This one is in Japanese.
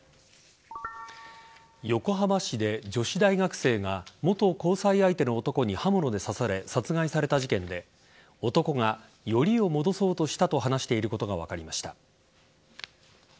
横浜市で女子大学生が元交際相手の男に刃物で刺され殺害された事件で男がよりを戻そうとしたと話していることが分かりました。